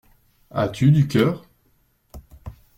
As-tu du cœur?